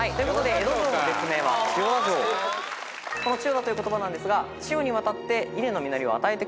この千代田という言葉なんですが。